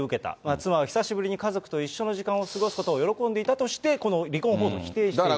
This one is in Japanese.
妻は久しぶりに家族と一緒の時間を過ごすことを喜んでいたとして、この離婚報道を否定しています。